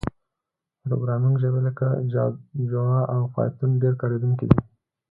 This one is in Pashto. پروګرامینګ ژبې لکه جاوا او پایتون ډېر کارېدونکي دي.